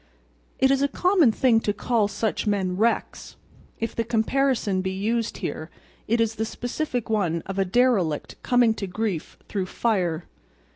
It is a common thing to call such men wrecks; if the comparison be used here it is the specific one of a derelict come to grief through fire.